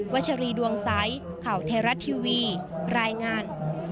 ชัชรีดวงใสข่าวไทยรัฐทีวีรายงาน